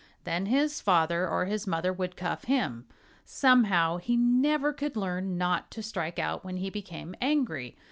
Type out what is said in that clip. Then his father or his mother would cuff him. Somehow, he never could learn not to strike out when he became angry.